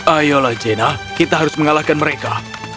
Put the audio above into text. ayolah jena kita harus mengalahkan mereka